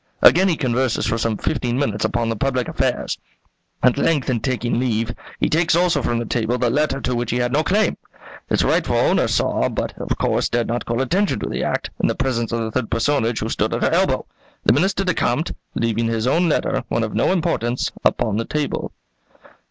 Again he converses for some fifteen minutes upon the public affairs. At length, in taking leave, he takes also from the table the letter to which he had no claim. Its rightful owner saw, but, of course, dared not call attention to the act, in the presence of the third personage, who stood at her elbow. The Minister decamped, leaving his own letter, one of no importance, upon the table."